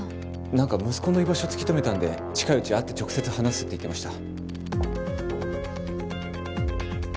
何か息子の居場所突き止めたんで近いうち会って直接話すって言ってました。